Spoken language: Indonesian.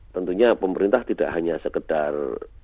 tentunya pemerintah tidak hanya sekedar